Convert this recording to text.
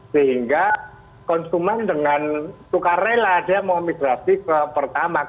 sehingga konsumen dengan suka rela dia mau migrasi ke pertamak